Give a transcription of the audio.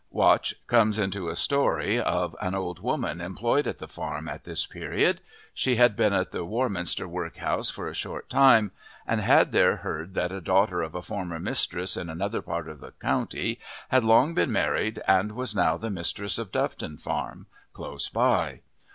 Watch comes into a story of an old woman employed at the farm at this period. She had been in the Warminster workhouse for a short time, and had there heard that a daughter of a former mistress in another part of the county had long been married and was now the mistress of Doveton Farm, close by.